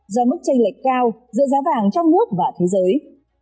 do mức tranh lệch cao giữa giá vàng trong nước và thế giới